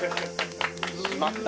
「締まった！」